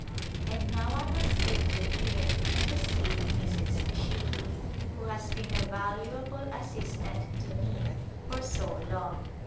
And now I must take you in to see Mrs. Sheahy, who has been a valuable assistant to me for so long.